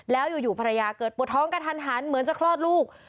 แล้วอยู่ภรรยาเกิดปวดท้องกระทันหันเหมือนจะคลอดลูก